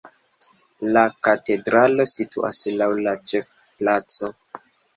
La katedralo situas laŭ la ĉefplaco.